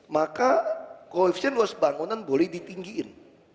maka koefisien luas bangunan boleh ditinggikan